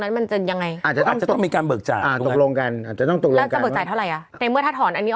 แค่อยากรู้ว่าเอาแล้วถ้างั้น